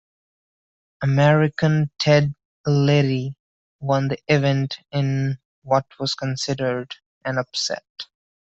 American Ted Ligety won the event in what was considered an upset.